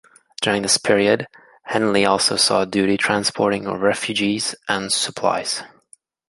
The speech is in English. During this period, "Henley" also saw duty transporting refugees and supplies.